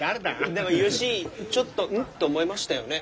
でもユーシーちょっと「ん？」と思いましたよね。